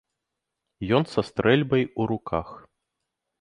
Ён са стрэльбай у руках.